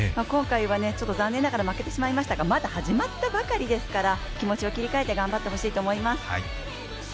今回は残念ながら負けてしまいましたがまだ始まったばかりですから気持ちを切り替えて頑張ってほしいと思います。